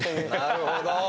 なるほど。